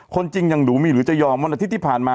จริงยังดูมีหรือจะยอมวันอาทิตย์ที่ผ่านมา